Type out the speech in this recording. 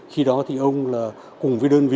khi đó thì ông là cùng với đơn vị